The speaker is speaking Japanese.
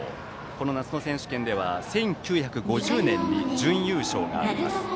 この夏の選手権では１９５０年に準優勝があります。